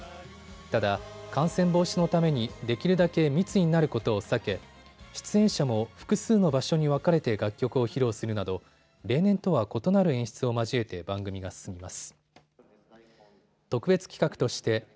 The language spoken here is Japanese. ただ感染防止のためにできるだけ密になることを避け出演者も複数の場所に分かれて楽曲を披露するなど例年とは異なる演出を交えて番組が進みます。